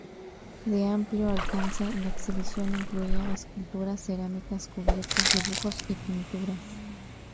De amplio alcance, la exhibición incluía esculturas, cerámicas, cubiertos, dibujos, y pinturas.